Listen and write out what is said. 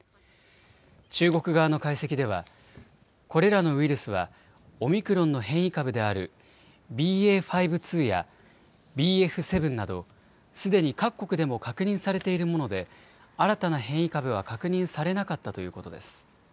中国側の解析ではこれらのウイルスはオミクロンの変異株であるＢＡ．５．２やＢＦ．７などすでに各国でも確認されているもので新たな変異株は確認されなかったということです。